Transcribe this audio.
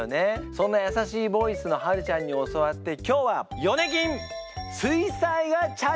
そんな優しいボイスのはるちゃんに教わって今日はイエイ！